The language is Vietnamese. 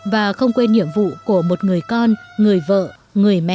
và không quên nhiệm vụ của một người con người vợ người mẹ